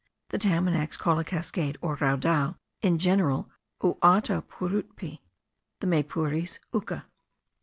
The Tamanacs call a cascade, or raudal, in general uatapurutpe; the Maypures, uca.)